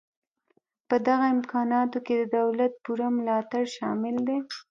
په دغه امکاناتو کې د دولت پوره ملاتړ شامل دی